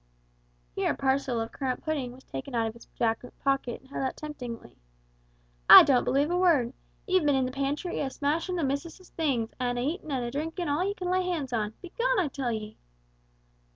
Here a parcel of currant pudding was taken out of his jacket pocket and held out temptingly. "A' don't believe a word! Ye've been in the pantry a smashin' the missus' things, and a eatin' and a drinkin' all ye can lay hands on begone, I tell ye!"